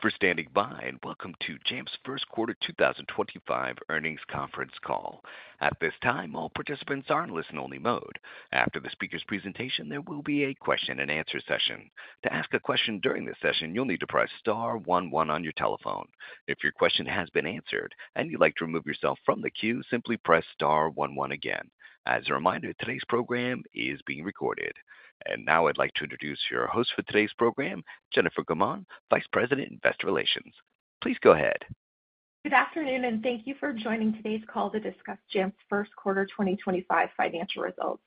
Thank you for standing by, and welcome to Jamf's first quarter 2025 earnings conference call. At this time, all participants are in listen-only mode. After the speaker's presentation, there will be a question and answer session. To ask a question during this session, you'll need to press star one one on your telephone. If your question has been answered and you'd like to remove yourself from the queue, simply press star one one again. As a reminder, today's program is being recorded. Now I'd like to introduce your host for today's program, Jennifer Gaumond, Vice President, Investor Relations. Please go ahead. Good afternoon, and thank you for joining today's call to discuss Jamf's first quarter 2025 financial results.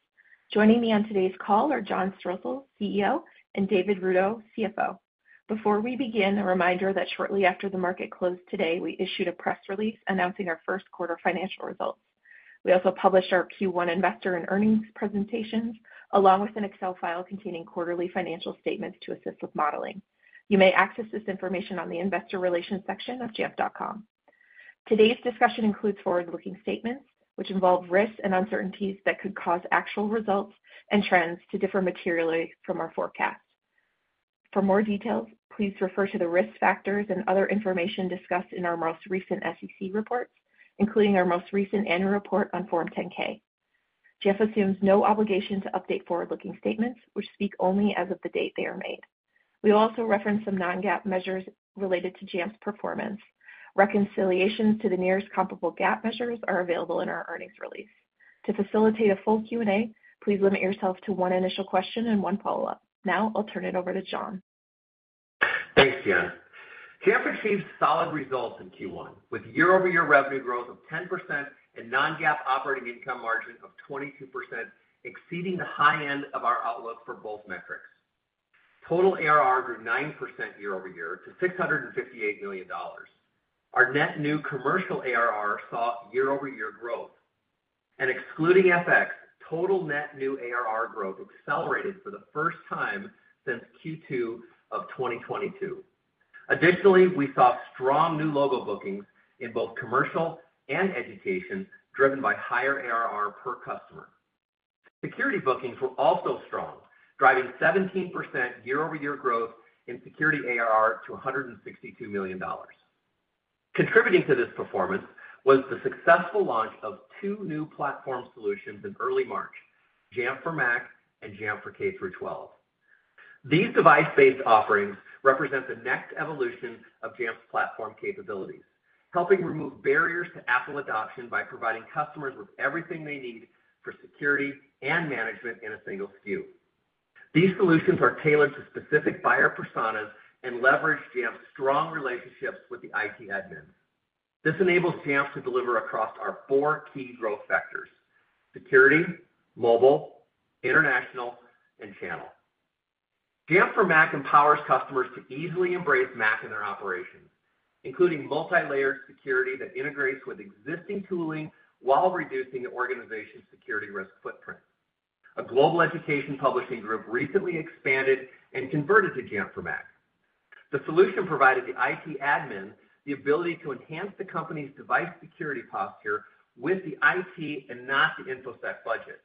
Joining me on today's call are John Strosahl, CEO, and David Rudow, CFO. Before we begin, a reminder that shortly after the market closed today, we issued a press release announcing our first quarter financial results. We also published our Q1 investor and earnings presentations along with an Excel file containing quarterly financial statements to assist with modeling. You may access this information on the investor relations section of jamf.com. Today's discussion includes forward-looking statements, which involve risks and uncertainties that could cause actual results and trends to differ materially from our forecast. For more details, please refer to the risk factors and other information discussed in our most recent SEC reports, including our most recent annual report on Form 10-K. Jamf assumes no obligation to update forward-looking statements, which speak only as of the date they are made. We also reference some non-GAAP measures related to Jamf's performance. Reconciliations to the nearest comparable GAAP measures are available in our earnings release. To facilitate a full Q&A, please limit yourself to one initial question and one follow-up. Now I'll turn it over to John. Thanks, Jenn. Jamf achieved solid results in Q1 with year-over-year revenue growth of 10% and non-GAAP operating income margin of 22%, exceeding the high end of our outlook for both metrics. Total ARR grew 9% year-over-year to $658 million. Our net new commercial ARR saw year-over-year growth. Excluding FX, total net new ARR growth accelerated for the first time since Q2 of 2022. Additionally, we saw strong new logo bookings in both commercial and education, driven by higher ARR per customer. Security bookings were also strong, driving 17% year-over-year growth in security ARR to $162 million. Contributing to this performance was the successful launch of two new platform solutions in early March, Jamf for Mac and Jamf for K-12. These device-based offerings represent the next evolution of Jamf's platform capabilities, helping remove barriers to Apple adoption by providing customers with everything they need for security and management in a single SKU. These solutions are tailored to specific buyer personas and leverage Jamf's strong relationships with the IT admins. This enables Jamf to deliver across our four key growth factors: security, mobile, international, and channel. Jamf for Mac empowers customers to easily embrace Mac in their operations, including multi-layered security that integrates with existing tooling while reducing the organization's security risk footprint. A global education publishing group recently expanded and converted to Jamf for Mac. The solution provided the IT admin the ability to enhance the company's device security posture with the IT and not the InfoSec budget.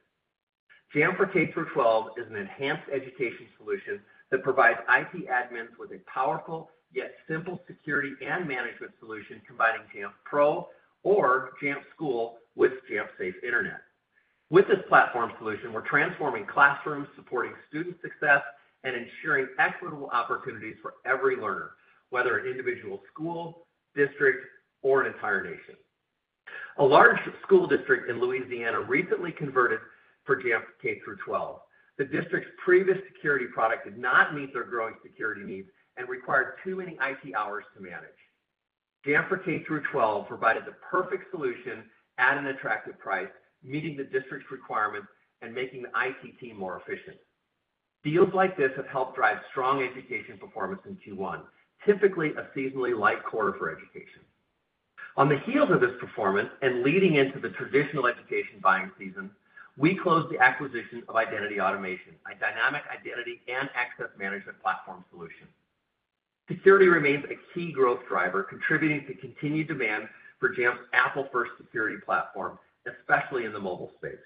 Jamf for K-12 is an enhanced education solution that provides IT admins with a powerful yet simple security and management solution, combining Jamf Pro or Jamf School with Jamf Safe Internet. With this platform solution, we're transforming classrooms, supporting student success, and ensuring equitable opportunities for every learner, whether an individual school, district, or an entire nation. A large school district in Louisiana recently converted for Jamf for K-12. The district's previous security product did not meet their growing security needs and required too many IT hours to manage. Jamf for K-12 provided the perfect solution at an attractive price, meeting the district's requirements and making the IT team more efficient. Deals like this have helped drive strong education performance in Q1, typically a seasonally light quarter for education. On the heels of this performance and leading into the traditional education buying season, we closed the acquisition of Identity Automation, a dynamic identity and access management platform solution. Security remains a key growth driver, contributing to continued demand for Jamf's Apple-first security platform, especially in the mobile space.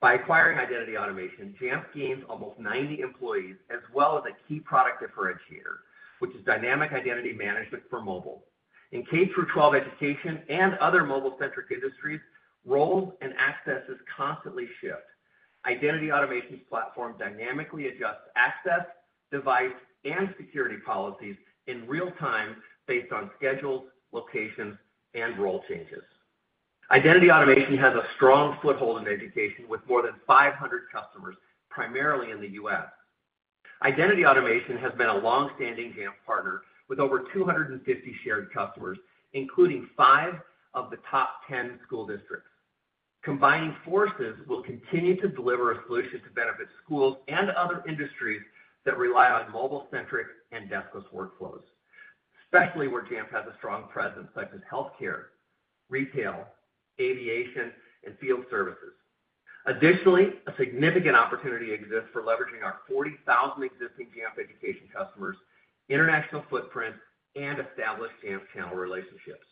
By acquiring Identity Automation, Jamf gains almost 90 employees, as well as a key product differentiator, which is dynamic identity management for mobile. In K-12 education and other mobile-centric industries, roles and accesses constantly shift. Identity Automation's platform dynamically adjusts access, device, and security policies in real time based on schedules, locations, and role changes. Identity Automation has a strong foothold in education with more than 500 customers, primarily in the U.S. Identity Automation has been a longstanding Jamf partner with over 250 shared customers, including five of the top 10 school districts. Combining forces will continue to deliver a solution to benefit schools and other industries that rely on mobile-centric and deskless workflows, especially where Jamf has a strong presence, such as healthcare, retail, aviation, and field services. Additionally, a significant opportunity exists for leveraging our 40,000 existing Jamf education customers, international footprint, and established Jamf channel relationships.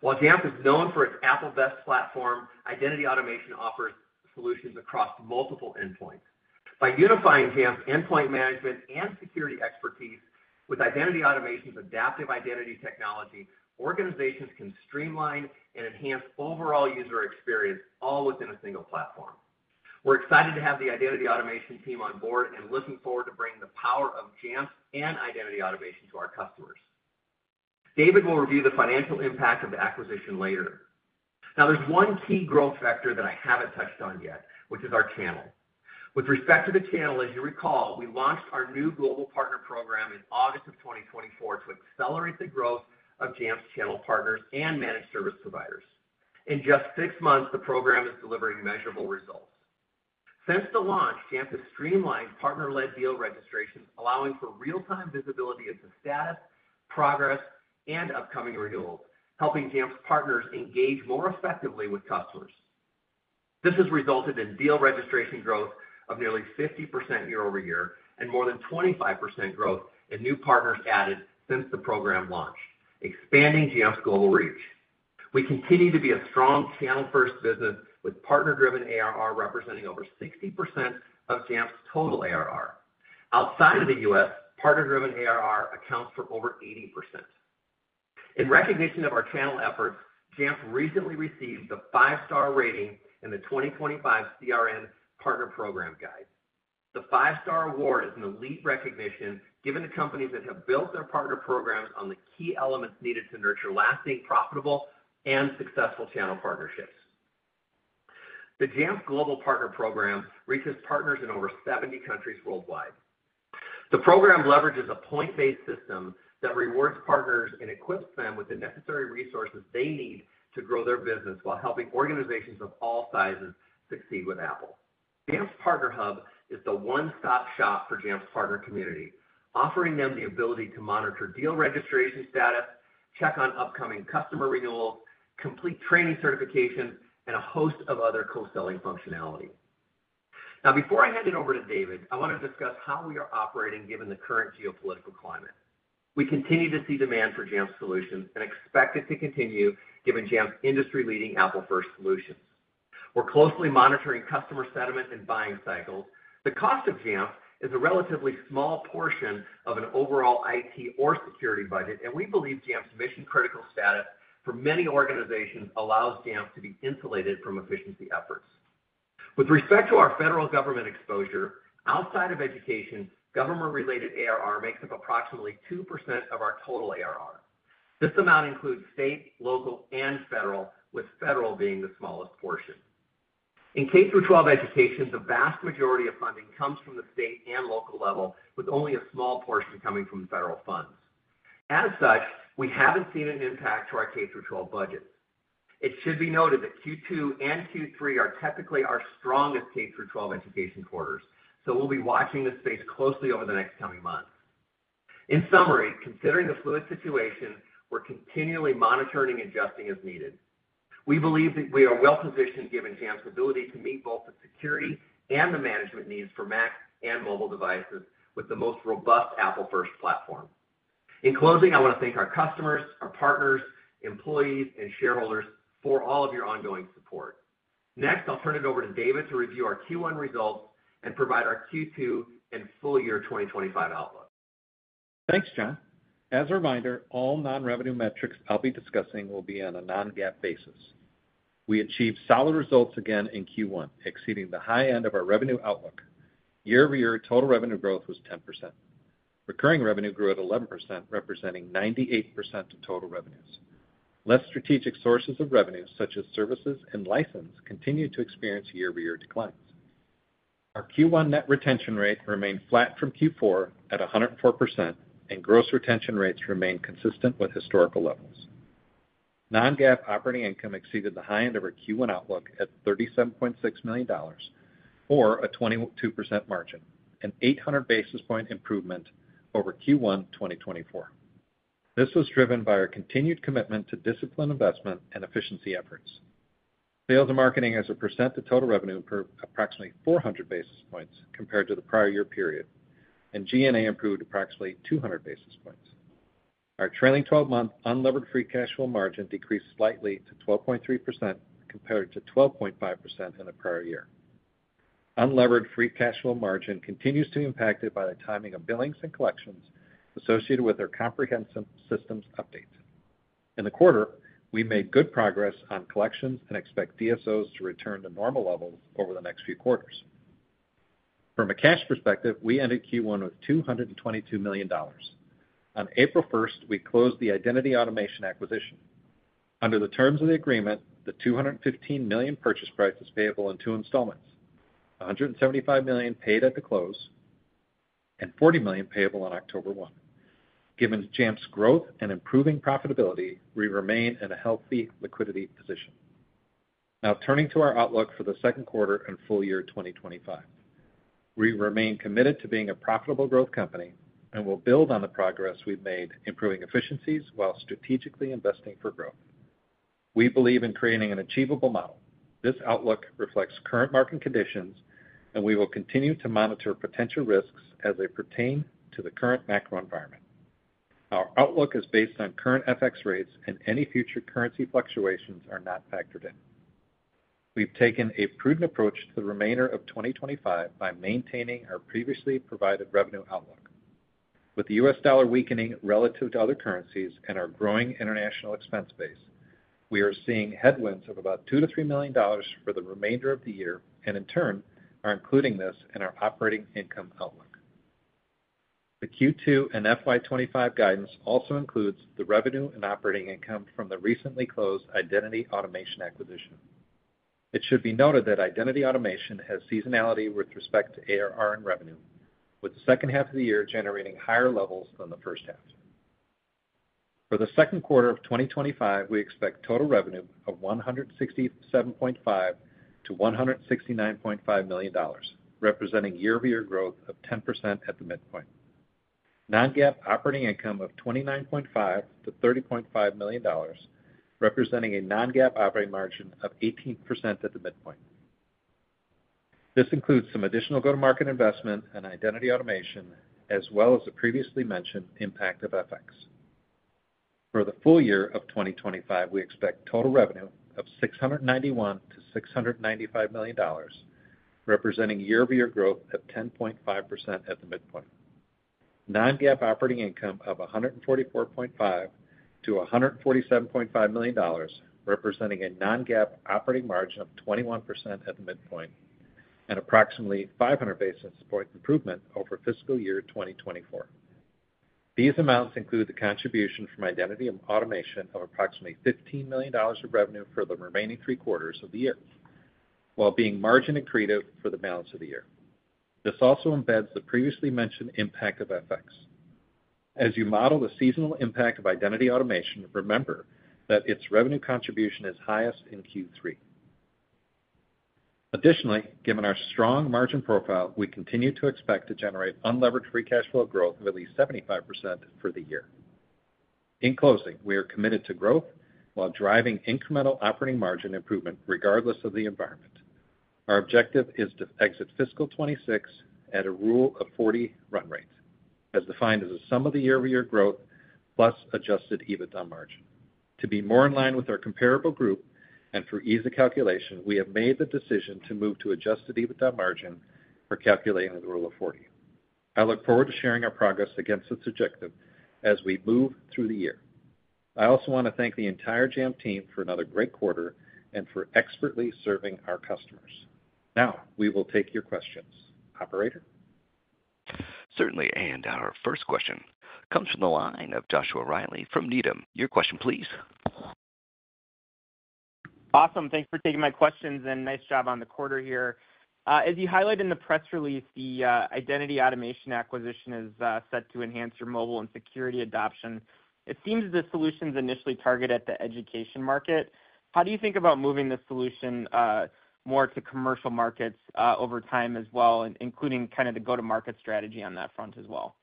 While Jamf is known for its Apple-based platform, Identity Automation offers solutions across multiple endpoints. By unifying Jamf's endpoint management and security expertise with Identity Automation's adaptive identity technology, organizations can streamline and enhance overall user experience all within a single platform. We're excited to have the Identity Automation team on board and looking forward to bringing the power of Jamf and Identity Automation to our customers. David will review the financial impact of the acquisition later. Now, there's one key growth factor that I haven't touched on yet, which is our channel. With respect to the channel, as you recall, we launched our new global partner program in August of 2024 to accelerate the growth of Jamf's channel partners and managed service providers. In just six months, the program is delivering measurable results. Since the launch, Jamf has streamlined partner-led deal registrations, allowing for real-time visibility into status, progress, and upcoming renewals, helping Jamf's partners engage more effectively with customers. This has resulted in deal registration growth of nearly 50% year-over-year and more than 25% growth in new partners added since the program launched, expanding Jamf's global reach. We continue to be a strong channel-first business, with partner-driven ARR representing over 60% of Jamf's total ARR. Outside of the U.S., partner-driven ARR accounts for over 80%. In recognition of our channel efforts, Jamf recently received the five-star rating in the 2025 CRN Partner Program Guide. The five-star award is an elite recognition given to companies that have built their partner programs on the key elements needed to nurture lasting, profitable, and successful channel partnerships. The Jamf Global Partner Program reaches partners in over 70 countries worldwide. The program leverages a point-based system that rewards partners and equips them with the necessary resources they need to grow their business while helping organizations of all sizes succeed with Apple. Jamf Partner Hub is the one-stop shop for Jamf's partner community, offering them the ability to monitor deal registration status, check on upcoming customer renewals, complete training certifications, and a host of other co-selling functionality. Now, before I hand it over to David, I want to discuss how we are operating given the current geopolitical climate. We continue to see demand for Jamf solutions and expect it to continue given Jamf's industry-leading Apple-first solutions. We're closely monitoring customer sentiment and buying cycles. The cost of Jamf is a relatively small portion of an overall IT or security budget, and we believe Jamf's mission-critical status for many organizations allows Jamf to be insulated from efficiency efforts. With respect to our federal government exposure, outside of education, government-related ARR makes up approximately 2% of our total ARR. This amount includes state, local, and federal, with federal being the smallest portion. In K-12 education, the vast majority of funding comes from the state and local level, with only a small portion coming from federal funds. As such, we haven't seen an impact to our K-12 budgets. It should be noted that Q2 and Q3 are typically our strongest K-12 education quarters, so we'll be watching this space closely over the next coming months. In summary, considering the fluid situation, we're continually monitoring and adjusting as needed. We believe that we are well-positioned given Jamf's ability to meet both the security and the management needs for Mac and mobile devices with the most robust Apple-first platform. In closing, I want to thank our customers, our partners, employees, and shareholders for all of your ongoing support. Next, I'll turn it over to David to review our Q1 results and provide our Q2 and full year 2025 outlook. Thanks, Jenn. As a reminder, all non-revenue metrics I'll be discussing will be on a non-GAAP basis. We achieved solid results again in Q1, exceeding the high end of our revenue outlook. Year-over-year, total revenue growth was 10%. Recurring revenue grew at 11%, representing 98% of total revenues. Less strategic sources of revenue, such as services and license, continue to experience year-over-year declines. Our Q1 net retention rate remained flat from Q4 at 104%, and gross retention rates remained consistent with historical levels. Non-GAAP operating income exceeded the high end of our Q1 outlook at $37.6 million, or a 22% margin, an 800 basis point improvement over Q1 2024. This was driven by our continued commitment to disciplined investment and efficiency efforts. Sales and marketing as a percent of total revenue improved approximately 400 basis points compared to the prior year period, and G&A improved approximately 200 basis points. Our trailing 12-month unlevered free cash flow margin decreased slightly to 12.3% compared to 12.5% in the prior year. Unlevered free cash flow margin continues to be impacted by the timing of billings and collections associated with our comprehensive systems update. In the quarter, we made good progress on collections and expect DSOs to return to normal levels over the next few quarters. From a cash perspective, we ended Q1 with $222 million. On April 1st, we closed the Identity Automation acquisition. Under the terms of the agreement, the $215 million purchase price is payable in two installments: $175 million paid at the close and $40 million payable on October 1. Given Jamf's growth and improving profitability, we remain in a healthy liquidity position. Now, turning to our outlook for the second quarter and full year 2025, we remain committed to being a profitable growth company and will build on the progress we've made, improving efficiencies while strategically investing for growth. We believe in creating an achievable model. This outlook reflects current market conditions, and we will continue to monitor potential risks as they pertain to the current macro environment. Our outlook is based on current FX rates, and any future currency fluctuations are not factored in. We've taken a prudent approach to the remainder of 2025 by maintaining our previously provided revenue outlook. With the US dollar weakening relative to other currencies and our growing international expense base, we are seeing headwinds of about $2-$3 million for the remainder of the year and, in turn, are including this in our operating income outlook. The Q2 and FY 2025 guidance also includes the revenue and operating income from the recently closed Identity Automation acquisition. It should be noted that Identity Automation has seasonality with respect to ARR and revenue, with the second half of the year generating higher levels than the first half. For the second quarter of 2025, we expect total revenue of $167.5 million-$169.5 million, representing year-over-year growth of 10% at the midpoint. Non-GAAP operating income of $29.5 million-$30.5 million, representing a non-GAAP operating margin of 18% at the midpoint. This includes some additional go-to-market investment and Identity Automation, as well as the previously mentioned impact of FX. For the full year of 2025, we expect total revenue of $691 million-$695 million, representing year-over-year growth of 10.5% at the midpoint. Non-GAAP operating income of $144.5 million-$147.5 million, representing a non-GAAP operating margin of 21% at the midpoint, and approximately 500 basis point improvement over fiscal year 2024. These amounts include the contribution from Identity Automation of approximately $15 million of revenue for the remaining three quarters of the year, while being margin accretive for the balance of the year. This also embeds the previously mentioned impact of FX. As you model the seasonal impact of Identity Automation, remember that its revenue contribution is highest in Q3. Additionally, given our strong margin profile, we continue to expect to generate unlevered free cash flow growth of at least 75% for the year. In closing, we are committed to growth while driving incremental operating margin improvement regardless of the environment. Our objective is to exit fiscal 2026 at a rule of 40 run rate, as defined as the sum of the year-over-year growth plus adjusted EBITDA margin. To be more in line with our comparable group and for ease of calculation, we have made the decision to move to adjusted EBITDA margin for calculating the rule of 40. I look forward to sharing our progress against this objective as we move through the year. I also want to thank the entire Jamf team for another great quarter and for expertly serving our customers. Now, we will take your questions. Operator? Certainly, and our first question comes from the line of Joshua Riley from Needham. Your question, please. Awesome. Thanks for taking my questions and nice job on the quarter here. As you highlighted in the press release, the Identity Automation acquisition is set to enhance your mobile and security adoption. It seems the solution's initially targeted at the education market. How do you think about moving the solution more to commercial markets over time as well, including kind of the go-to-market strategy on that front as well?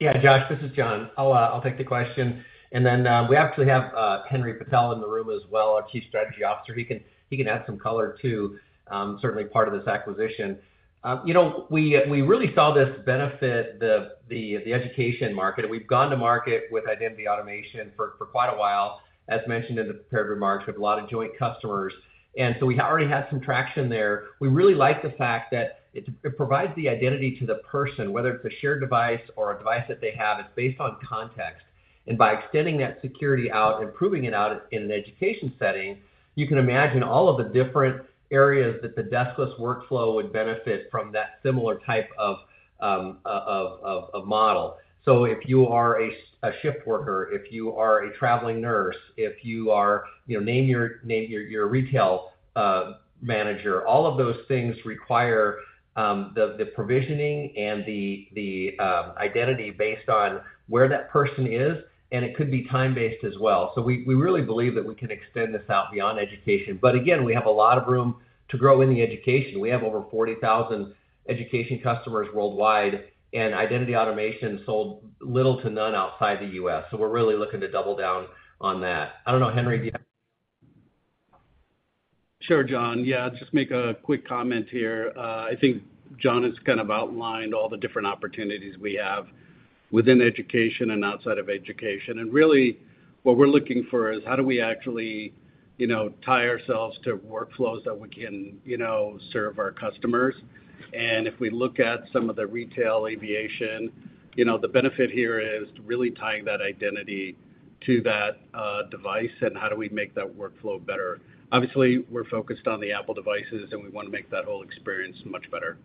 Yeah, Josh, this is John. I'll take the question. We actually have Henry Patel in the room as well, our Chief Strategy Officer. He can add some color to certainly part of this acquisition. You know, we really saw this benefit the education market. We've gone to market with Identity Automation for quite a while, as mentioned in the prepared remarks, with a lot of joint customers. We already had some traction there. We really like the fact that it provides the identity to the person, whether it's a shared device or a device that they have. It's based on context. By extending that security out and proving it out in an education setting, you can imagine all of the different areas that the deskless workflow would benefit from that similar type of model. If you are a shift worker, if you are a traveling nurse, if you are, you know, name your retail manager, all of those things require the provisioning and the identity based on where that person is. It could be time-based as well. We really believe that we can extend this out beyond education. Again, we have a lot of room to grow in education. We have over 40,000 education customers worldwide, and Identity Automation sold little to none outside the U.S. We are really looking to double down on that. I do not know, Henry, do you have? Sure, John. Yeah, I'll just make a quick comment here. I think John has kind of outlined all the different opportunities we have within education and outside of education. Really, what we're looking for is how do we actually, you know, tie ourselves to workflows that we can, you know, serve our customers. If we look at some of the retail, aviation, you know, the benefit here is really tying that identity to that device and how do we make that workflow better. Obviously, we're focused on the Apple devices, and we want to make that whole experience much better.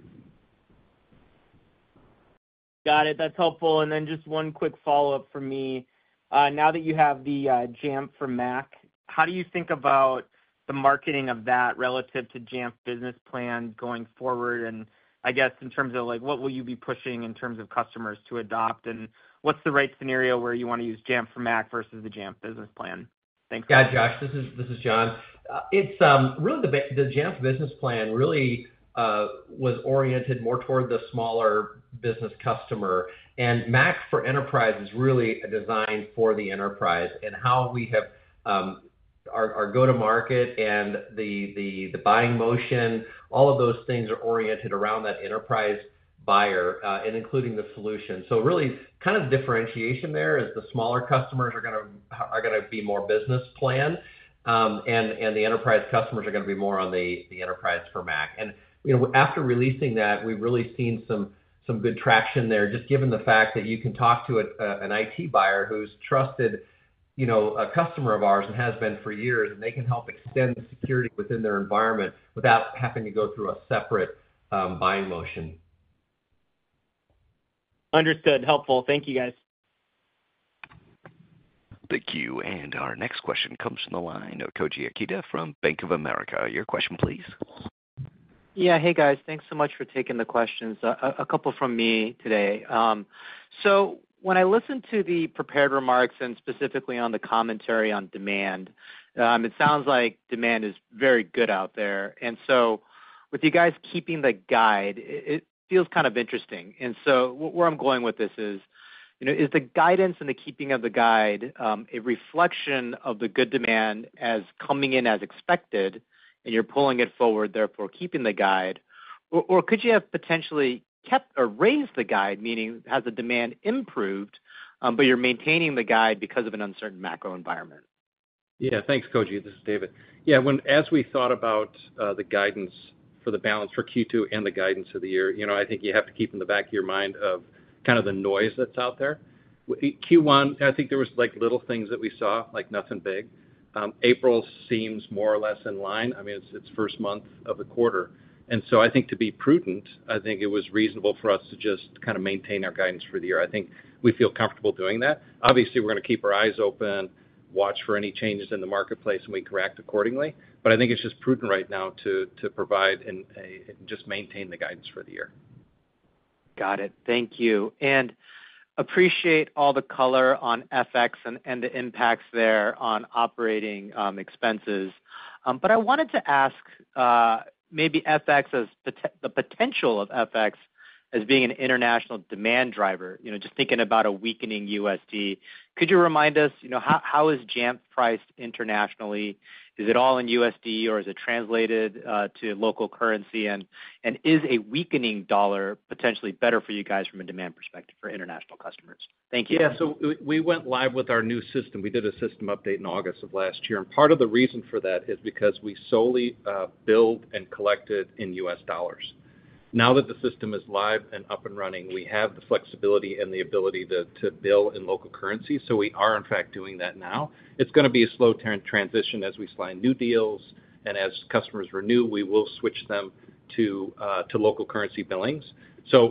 Got it. That's helpful. Just one quick follow-up for me. Now that you have the Jamf for Mac, how do you think about the marketing of that relative to Jamf Business Plan going forward? I guess in terms of, like, what will you be pushing in terms of customers to adopt? What's the right scenario where you want to use Jamf for Mac versus the Jamf Business Plan? Yeah, Josh, this is John. It's really the Jamf Business Plan really was oriented more toward the smaller business customer. And Mac for Enterprise is really designed for the enterprise and how we have our go-to-market and the buying motion, all of those things are oriented around that enterprise buyer and including the solution. So really, kind of differentiation there is the smaller customers are going to be more business plan, and the enterprise customers are going to be more on the enterprise for Mac. And, you know, after releasing that, we've really seen some good traction there, just given the fact that you can talk to an IT buyer who's trusted, you know, a customer of ours and has been for years, and they can help extend the security within their environment without having to go through a separate buying motion. Understood. Helpful. Thank you, guys. Thank you. Our next question comes from the line of Koji Ikeda from Bank of America. Your question, please. Yeah. Hey, guys. Thanks so much for taking the questions. A couple from me today. When I listened to the prepared remarks and specifically on the commentary on demand, it sounds like demand is very good out there. With you guys keeping the guide, it feels kind of interesting. Where I'm going with this is, you know, is the guidance and the keeping of the guide a reflection of the good demand as coming in as expected, and you're pulling it forward, therefore keeping the guide? Or could you have potentially kept or raised the guide, meaning has the demand improved, but you're maintaining the guide because of an uncertain macro environment? Yeah. Thanks, Koji. This is David. Yeah. When as we thought about the guidance for the balance for Q2 and the guidance of the year, you know, I think you have to keep in the back of your mind of kind of the noise that's out there. Q1, I think there was, like, little things that we saw, like nothing big. April seems more or less in line. I mean, it's first month of the quarter. I think to be prudent, I think it was reasonable for us to just kind of maintain our guidance for the year. I think we feel comfortable doing that. Obviously, we're going to keep our eyes open, watch for any changes in the marketplace, and we correct accordingly. I think it's just prudent right now to provide and just maintain the guidance for the year. Got it. Thank you. I appreciate all the color on FX and the impacts there on operating expenses. I wanted to ask maybe FX, the potential of FX as being an international demand driver, you know, just thinking about a weakening USD. Could you remind us, you know, how is Jamf priced internationally? Is it all in USD, or is it translated to local currency? Is a weakening dollar potentially better for you guys from a demand perspective for international customers? Thank you. Yeah. So we went live with our new system. We did a system update in August of last year. Part of the reason for that is because we solely bill and collect in US dollars. Now that the system is live and up and running, we have the flexibility and the ability to bill in local currency. We are, in fact, doing that now. It's going to be a slow transition as we sign new deals. As customers renew, we will switch them to local currency billings.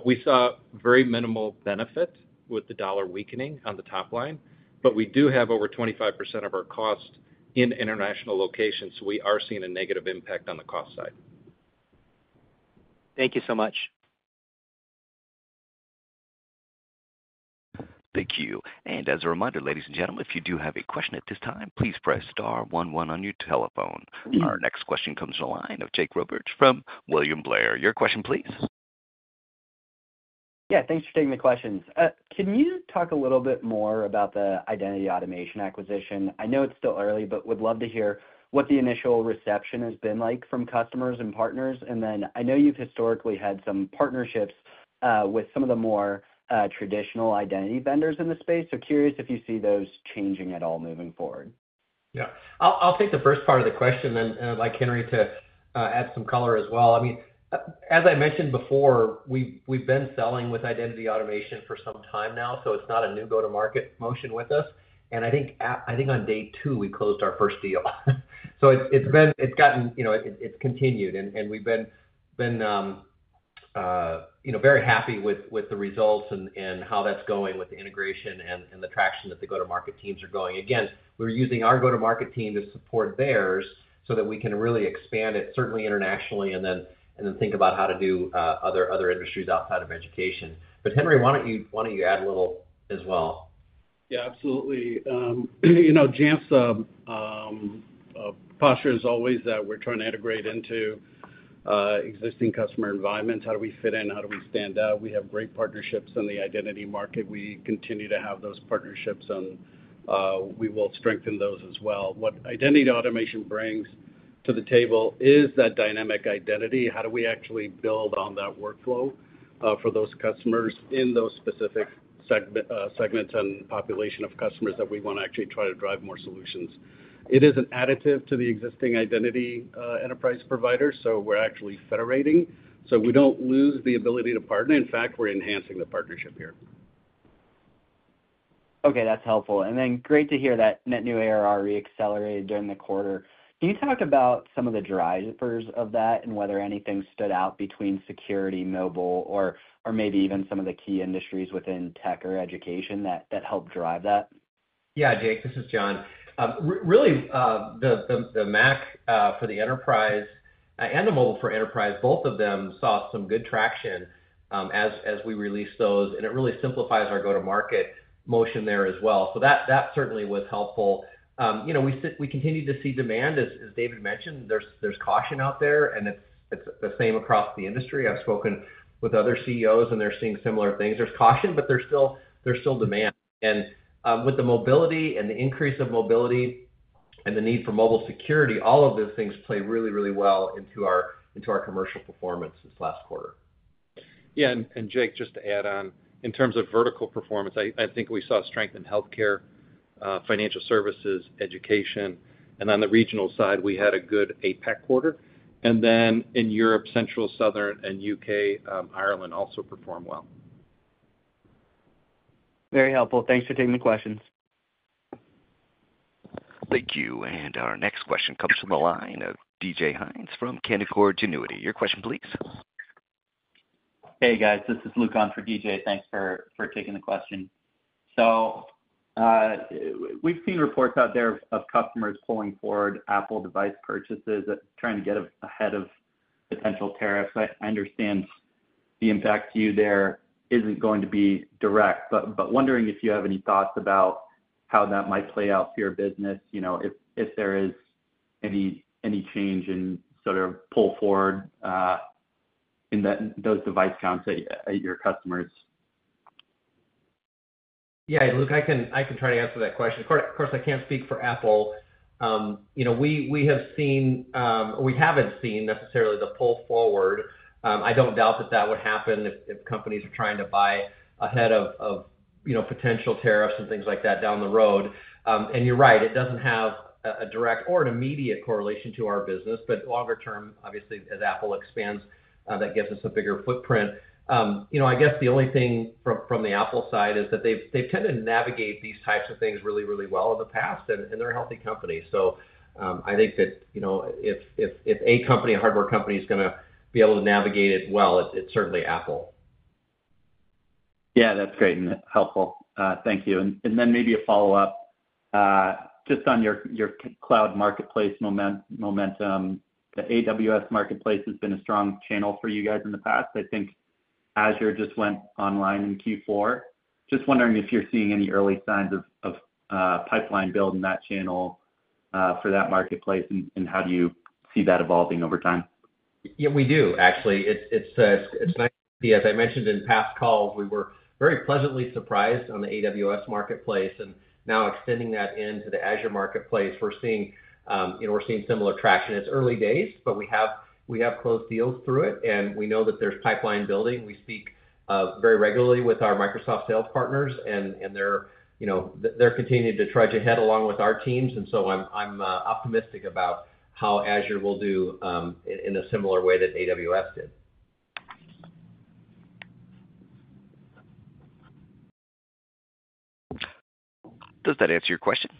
We saw very minimal benefit with the dollar weakening on the top line. We do have over 25% of our cost in international locations, so we are seeing a negative impact on the cost side. Thank you so much. Thank you. As a reminder, ladies and gentlemen, if you do have a question at this time, please press star one one on your telephone. Our next question comes from the line of Jake Roberge from William Blair. Your question, please. Yeah. Thanks for taking the questions. Can you talk a little bit more about the Identity Automation acquisition? I know it's still early, but would love to hear what the initial reception has been like from customers and partners. I know you've historically had some partnerships with some of the more traditional identity vendors in the space. Curious if you see those changing at all moving forward. Yeah. I'll take the first part of the question, and I'd like Henry to add some color as well. I mean, as I mentioned before, we've been selling with Identity Automation for some time now, so it's not a new go-to-market motion with us. I think on day two, we closed our first deal. It's gotten, you know, it's continued, and we've been, you know, very happy with the results and how that's going with the integration and the traction that the go-to-market teams are going. Again, we're using our go-to-market team to support theirs so that we can really expand it, certainly internationally, and then think about how to do other industries outside of education. But Henry, why don't you add a little as well? Yeah, absolutely. You know, Jamf's posture is always that we're trying to integrate into existing customer environments. How do we fit in? How do we stand out? We have great partnerships in the identity market. We continue to have those partnerships, and we will strengthen those as well. What Identity Automation brings to the table is that dynamic identity. How do we actually build on that workflow for those customers in those specific segments and population of customers that we want to actually try to drive more solutions? It is an additive to the existing identity enterprise provider, so we're actually federating. We don't lose the ability to partner. In fact, we're enhancing the partnership here. Okay. That's helpful. Great to hear that net new ARR re-accelerated during the quarter. Can you talk about some of the drivers of that and whether anything stood out between security, mobile, or maybe even some of the key industries within tech or education that helped drive that? Yeah. Jake, this is John. Really, the Mac for the enterprise and the mobile for enterprise, both of them saw some good traction as we released those. It really simplifies our go-to-market motion there as well. That certainly was helpful. You know, we continue to see demand, as David mentioned. There's caution out there, and it's the same across the industry. I've spoken with other CEOs, and they're seeing similar things. There's caution, but there's still demand. With the mobility and the increase of mobility and the need for mobile security, all of those things play really, really well into our commercial performance this last quarter. Yeah. And Jake, just to add on, in terms of vertical performance, I think we saw strength in healthcare, financial services, education. On the regional side, we had a good APAC quarter. In Europe, Central, Southern, and U.K., Ireland also performed well. Very helpful. Thanks for taking the questions. Thank you. Our next question comes from the line of DJ Hynes from Canaccord Genuity. Your question, please. Hey, guys. This is Luke on for DJ. Thanks for taking the question. So we've seen reports out there of customers pulling forward Apple device purchases, trying to get ahead of potential tariffs. I understand the impact to you there isn't going to be direct, but wondering if you have any thoughts about how that might play out for your business, you know, if there is any change in sort of pull forward in those device counts at your customers. Yeah. Look, I can try to answer that question. Of course, I can't speak for Apple. You know, we have seen, or we haven't seen necessarily the pull forward. I don't doubt that that would happen if companies are trying to buy ahead of potential tariffs and things like that down the road. You're right. It doesn't have a direct or an immediate correlation to our business, but longer term, obviously, as Apple expands, that gives us a bigger footprint. You know, I guess the only thing from the Apple side is that they've tended to navigate these types of things really, really well in the past, and they're a healthy company. I think that, you know, if a company, a hardware company, is going to be able to navigate it well, it's certainly Apple. Yeah. That's great and helpful. Thank you. Maybe a follow-up just on your cloud marketplace momentum. The AWS marketplace has been a strong channel for you guys in the past. I think Azure just went online in Q4. Just wondering if you're seeing any early signs of pipeline build in that channel for that marketplace, and how do you see that evolving over time? Yeah, we do, actually. It's nice to see. As I mentioned in past calls, we were very pleasantly surprised on the AWS marketplace. And now extending that into the Azure marketplace, we're seeing, you know, we're seeing similar traction. It's early days, but we have closed deals through it, and we know that there's pipeline building. We speak very regularly with our Microsoft sales partners, and they're continuing to trudge ahead along with our teams. I'm optimistic about how Azure will do in a similar way that AWS did. Does that answer your question?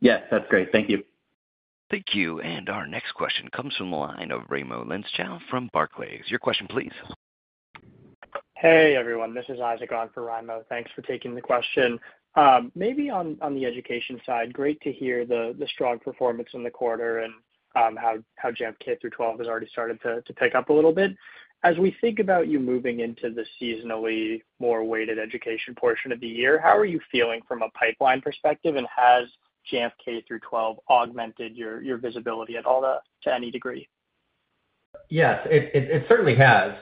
Yes. That's great. Thank you. Thank you. Our next question comes from the line of Raimo Lenschow from Barclays. Your question, please. Hey, everyone. This is Isaac on for Raimo. Thanks for taking the question. Maybe on the education side, great to hear the strong performance in the quarter and how Jamf K-12 has already started to pick up a little bit. As we think about you moving into the seasonally more weighted education portion of the year, how are you feeling from a pipeline perspective, and has Jamf K-12 augmented your visibility at all to any degree? Yes. It certainly has.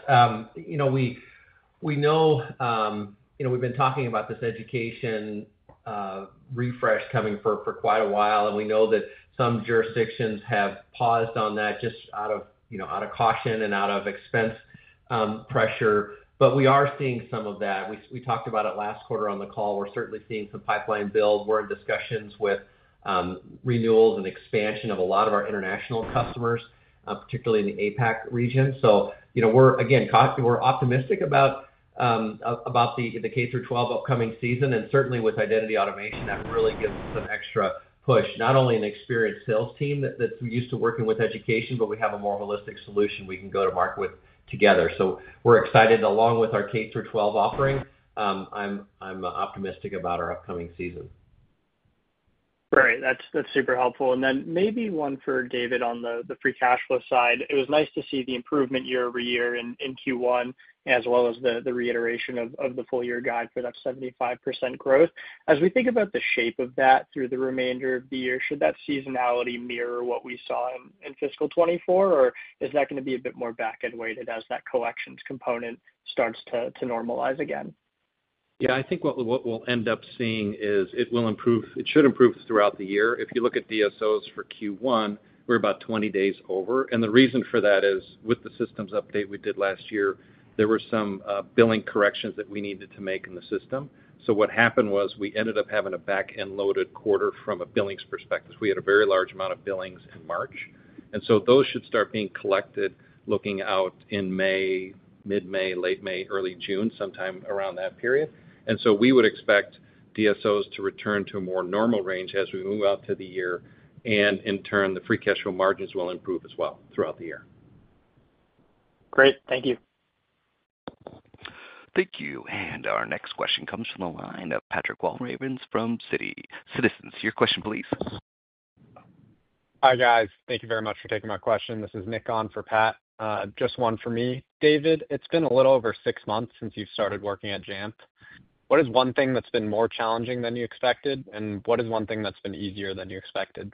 You know, we know, you know, we've been talking about this education refresh coming for quite a while, and we know that some jurisdictions have paused on that just out of caution and out of expense pressure. We are seeing some of that. We talked about it last quarter on the call. We're certainly seeing some pipeline build. We're in discussions with renewals and expansion of a lot of our international customers, particularly in the APAC region. You know, we're, again, we're optimistic about the K-12 upcoming season. Certainly, with Identity Automation, that really gives us an extra push, not only an experienced sales team that's used to working with education, but we have a more holistic solution we can go to market with together. We're excited, along with our K-12 offering. I'm optimistic about our upcoming season. Right. That's super helpful. Maybe one for David on the free cash flow side. It was nice to see the improvement year-over-year in Q1, as well as the reiteration of the full-year guide for that 75% growth. As we think about the shape of that through the remainder of the year, should that seasonality mirror what we saw in fiscal 2024, or is that going to be a bit more back-end weighted as that collections component starts to normalize again? Yeah. I think what we'll end up seeing is it will improve. It should improve throughout the year. If you look at DSOs for Q1, we're about 20 days over. The reason for that is, with the systems update we did last year, there were some billing corrections that we needed to make in the system. What happened was we ended up having a back-end loaded quarter from a billings perspective. We had a very large amount of billings in March. Those should start being collected, looking out in May, mid-May, late May, early June, sometime around that period. We would expect DSOs to return to a more normal range as we move out to the year. In turn, the free cash flow margins will improve as well throughout the year. Great. Thank you. Thank you. Our next question comes from the line of Patrick Walravens from Citi. Your question, please. Hi, guys. Thank you very much for taking my question. This is Nick on for Pat. Just one for me. David, it's been a little over six months since you've started working at Jamf. What is one thing that's been more challenging than you expected, and what is one thing that's been easier than you expected?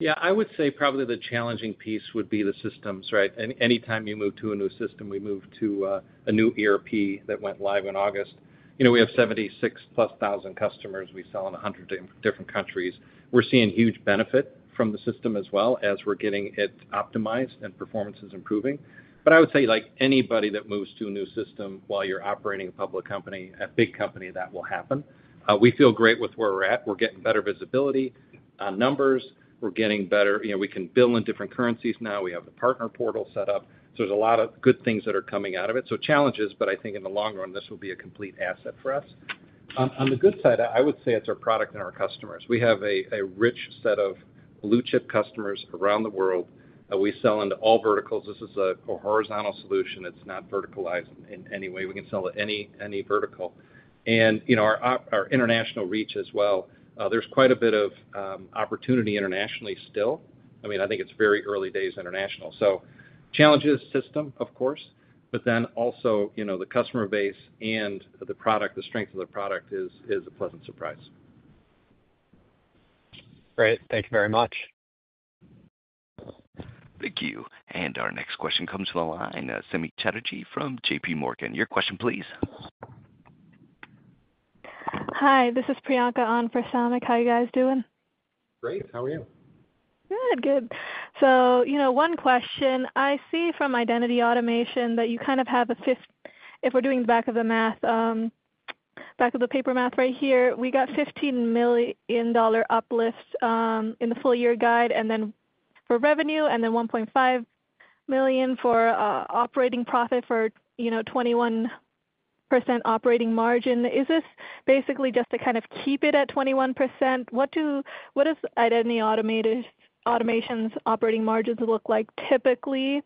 Yeah. I would say probably the challenging piece would be the systems, right? Anytime you move to a new system, we move to a new ERP that went live in August. You know, we have 76,000 customers. We sell in 100 different countries. We're seeing huge benefit from the system as well as we're getting it optimized and performance is improving. I would say, like anybody that moves to a new system while you're operating a public company, a big company, that will happen. We feel great with where we're at. We're getting better visibility on numbers. We're getting better. You know, we can bill in different currencies now. We have the partner portal set up. There's a lot of good things that are coming out of it. Challenges, but I think in the long run, this will be a complete asset for us. On the good side, I would say it's our product and our customers. We have a rich set of blue-chip customers around the world. We sell into all verticals. This is a horizontal solution. It's not verticalized in any way. We can sell to any vertical. You know, our international reach as well. There's quite a bit of opportunity internationally still. I mean, I think it's very early days international. Challenges, system, of course, but then also, you know, the customer base and the product, the strength of the product is a pleasant surprise. Great. Thank you very much. Thank you. Our next question comes from the line of Samik Chatterjee from JPMorgan. Your question, please. Hi. This is Priyanka on for Samik. How are you guys doing? Great. How are you? Good. Good. You know, one question. I see from Identity Automation that you kind of have a fifth, if we're doing the back of the math, back of the paper math right here, we got $15 million uplift in the full-year guide, and then for revenue, and then $1.5 million for operating profit for, you know, 21% operating margin. Is this basically just to kind of keep it at 21%? What does Identity Automation's operating margins look like typically?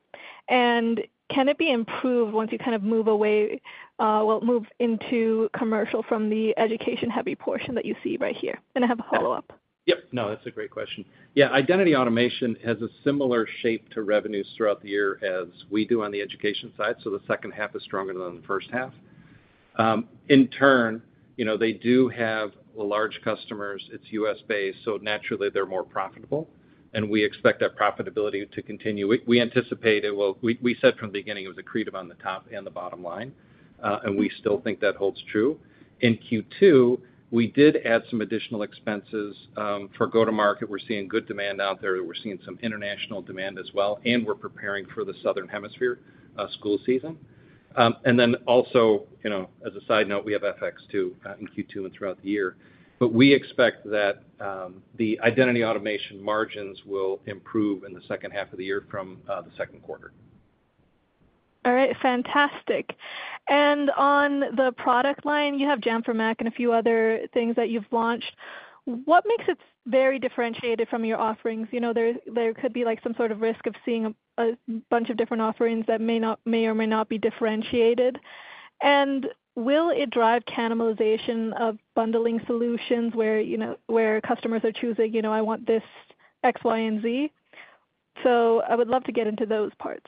Can it be improved once you kind of move away, move into commercial from the education-heavy portion that you see right here? I have a follow-up. Yep. No, that's a great question. Yeah. Identity Automation has a similar shape to revenues throughout the year as we do on the education side. The second half is stronger than the first half. In turn, you know, they do have large customers. It's U.S.-based. Naturally, they're more profitable. We expect that profitability to continue. We anticipate it. We said from the beginning it was accretive on the top and the bottom line. We still think that holds true. In Q2, we did add some additional expenses for go-to-market. We're seeing good demand out there. We're seeing some international demand as well. We're preparing for the Southern Hemisphere school season. Also, you know, as a side note, we have FX too in Q2 and throughout the year. We expect that the Identity Automation margins will improve in the second half of the year from the second quarter. All right. Fantastic. On the product line, you have Jamf for Mac and a few other things that you've launched. What makes it very differentiated from your offerings? You know, there could be like some sort of risk of seeing a bunch of different offerings that may or may not be differentiated. Will it drive cannibalization of bundling solutions where, you know, where customers are choosing, you know, I want this X, Y, and Z? I would love to get into those parts.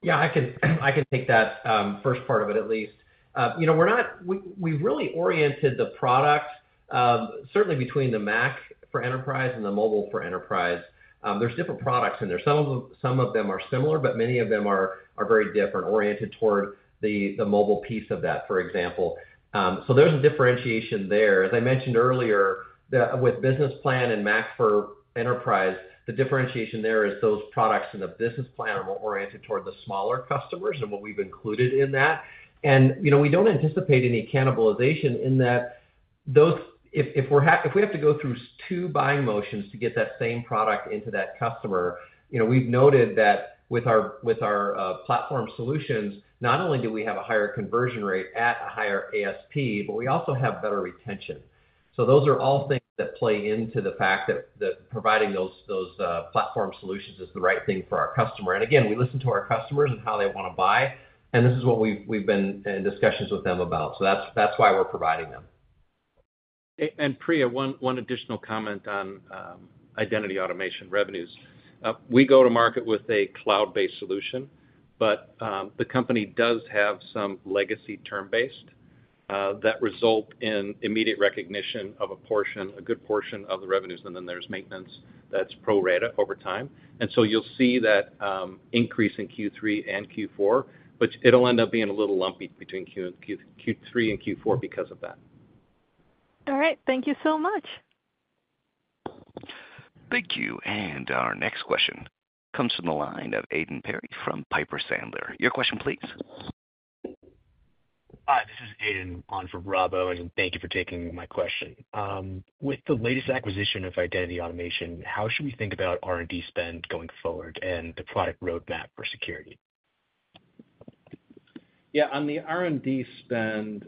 Yeah. I can take that first part of it at least. You know, we're not, we really oriented the product certainly between the Mac for Enterprise and the mobile for Enterprise. There are different products in there. Some of them are similar, but many of them are very different, oriented toward the mobile piece of that, for example. There is a differentiation there. As I mentioned earlier, with Business Plan and Mac for Enterprise, the differentiation there is those products in the Business Plan are more oriented toward the smaller customers and what we've included in that. You know, we do not anticipate any cannibalization in that those, if we have to go through two buying motions to get that same product into that customer, you know, we have noted that with our platform solutions, not only do we have a higher conversion rate at a higher ASP, but we also have better retention. Those are all things that play into the fact that providing those platform solutions is the right thing for our customer. Again, we listen to our customers and how they want to buy. This is what we have been in discussions with them about. That is why we are providing them. Priya, one additional comment on Identity Automation revenues. We go to market with a cloud-based solution, but the company does have some legacy term-based that result in immediate recognition of a portion, a good portion of the revenues. There is maintenance that is pro rata over time. You will see that increase in Q3 and Q4, but it will end up being a little lumpy between Q3 and Q4 because of that. All right. Thank you so much. Thank you. Our next question comes from the line of Aidan Perry from Piper Sandler. Your question, please. Hi. This is Aidan on for Bravo. Thank you for taking my question. With the latest acquisition of Identity Automation, how should we think about R&D spend going forward and the product roadmap for security? Yeah. On the R&D spend,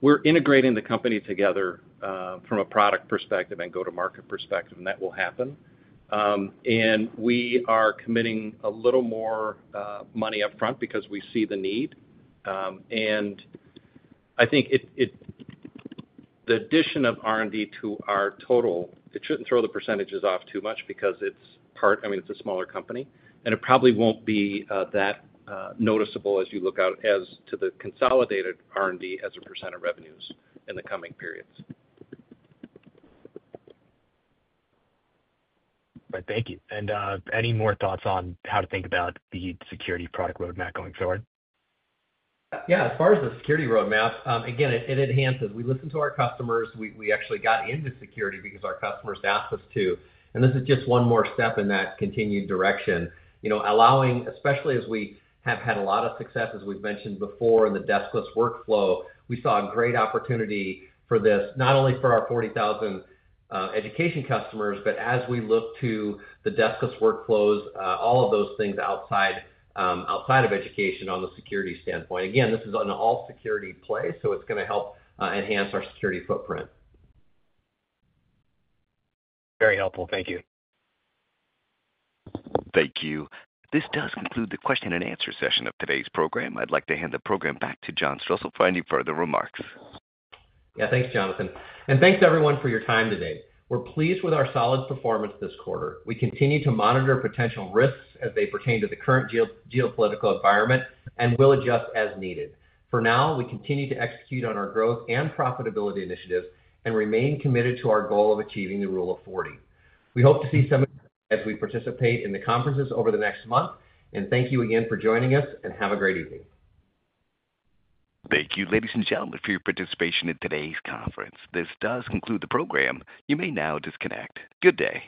we're integrating the company together from a product perspective and go-to-market perspective, that will happen. We are committing a little more money upfront because we see the need. I think the addition of R&D to our total, it shouldn't throw the percentages off too much because it's part, I mean, it's a smaller company. It probably won't be that noticeable as you look out as to the consolidated R&D as a percent of revenues in the coming periods. All right. Thank you. Any more thoughts on how to think about the security product roadmap going forward? Yeah. As far as the security roadmap, again, it enhances. We listen to our customers. We actually got into security because our customers asked us to. This is just one more step in that continued direction. You know, allowing, especially as we have had a lot of success, as we've mentioned before in the deskless workflow, we saw a great opportunity for this, not only for our 40,000 education customers, but as we look to the deskless workflows, all of those things outside of education on the security standpoint. Again, this is an all-security play, so it's going to help enhance our security footprint. Very helpful. Thank you. Thank you. This does conclude the question and answer session of today's program. I'd like to hand the program back to John Strosahl for any further remarks. Yeah. Thanks, Jonathan. Thanks everyone for your time today. We're pleased with our solid performance this quarter. We continue to monitor potential risks as they pertain to the current geopolitical environment and will adjust as needed. For now, we continue to execute on our growth and profitability initiatives and remain committed to our goal of achieving the Rule of 40. We hope to see some as we participate in the conferences over the next month. Thank you again for joining us, and have a great evening. Thank you, ladies and gentlemen, for your participation in today's conference. This does conclude the program. You may now disconnect. Good day.